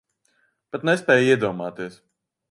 Pat nespēj iedomāties.